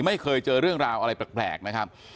ไม่เคยเจอเรื่องราวอะไรแปลกนะครับ